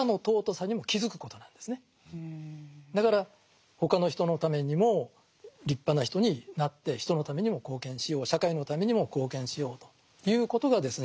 だから他の人のためにも立派な人になって人のためにも貢献しよう社会のためにも貢献しようということがですね